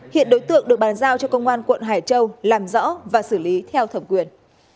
hiện đối tượng được bàn giao cho công an quận hải châu làm rõ và xử lý theo thẩm quyền